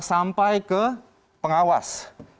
sampai ke pengawas